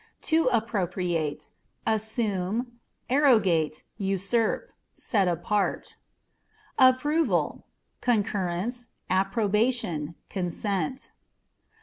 To Appropriate â€" assume, arrogate, usurp ; set apart. ApprovaI/â€" concurrence, approbation, consent.